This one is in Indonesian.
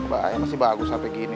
bahaya masih bagus hp gini